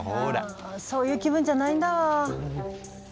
あそういう気分じゃないんだわ。